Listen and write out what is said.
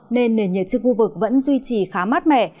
nên nền nhiệt trực vực vẫn duy trì khá mát mẻ